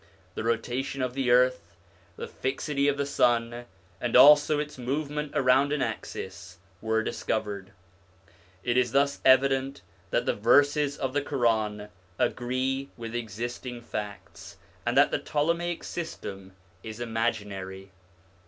The rotation of the earth, the fixity of the sun, and also its movement around an axis, were discovered. It is thus evident that the verses of the Quran agree with existing facts, and that the Ptolemaic system is imaginary.